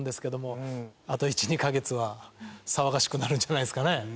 あと１２カ月は騒がしくなるんじゃないですかね。